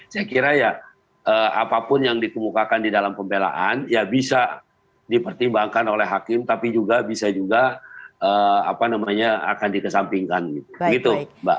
saya kira ya apapun yang dikemukakan di dalam pembelaan ya bisa dipertimbangkan oleh hakim tapi juga bisa juga akan dikesampingkan begitu mbak